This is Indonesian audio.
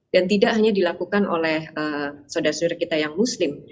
dan tidak hanya dilakukan oleh saudara saudara kita yang muslim